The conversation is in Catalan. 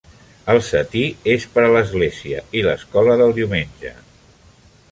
El setí és per a l"església i l"escola del diumenge.